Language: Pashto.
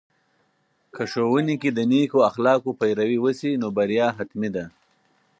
که ښوونې کې د نیکو اخلاقو پیروي وسي، نو بریا حتمي ده.